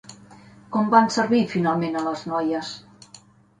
Com van servir finalment a les noies?